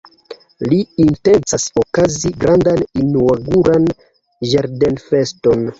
Li intencas okazigi grandan inaŭguran ĝardenfeston.